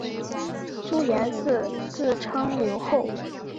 朱延嗣自称留后。